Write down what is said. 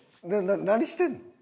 何してんの？